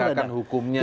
pendegarkan hukumnya ya